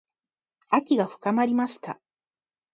秋が深まりました。